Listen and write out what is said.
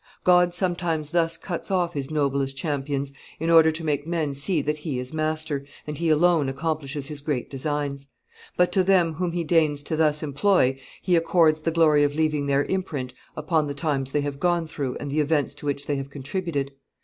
God sometimes thus cuts off His noblest champions in order to make men see that He is master, and He alone accomplishes His great designs; but to them whom He deigns to thus employ He accords the glory of leaving their imprint upon the times they have gone through and the events to which they have contributed.